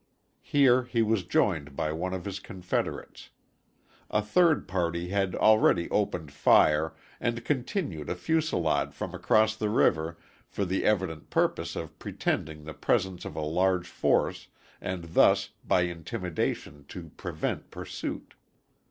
Here he was joined by one of his confederates. A third had already opened fire and continued a fusilade from across the river for the evident purpose of pretending the presence of a large force and thus by intimidation to prevent pursuit.